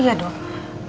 saya sudah bilang